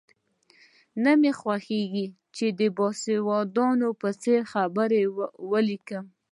نه مې خوښېږي چې د باسوادانو په څېر خبرې ولیکم.